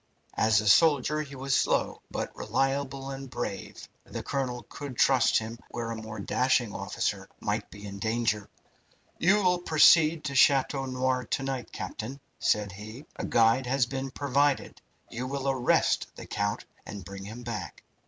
As a soldier he was slow, but reliable and brave. The colonel could trust him where a more dashing officer might be in danger. "You will proceed to Chateau Noir to night, captain," said he. "A guide has been provided. You will arrest the count and bring him back.